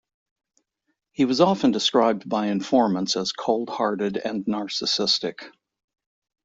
He was often described by informants as cold-hearted and narcissistic.